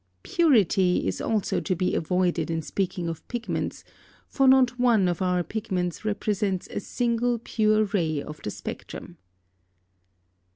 "Purity" is also to be avoided in speaking of pigments, for not one of our pigments represents a single pure ray of the spectrum.